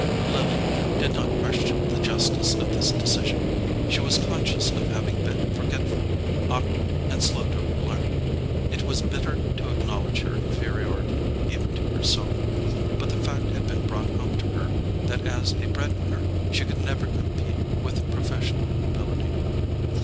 Lily did not question the justice of the decision. She was conscious of having been forgetful, awkward and slow to learn. It was bitter to acknowledge her inferiority even to herself, but the fact had been brought home to her that as a bread winner she could never compete with professional ability.